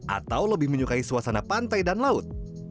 atau lebih menyukai suasana pantai dan laut